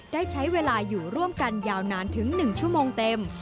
ได้ใช้เวลาอยู่ร่วมกันยาวนานถึง๑ชั่วโมงเต็ม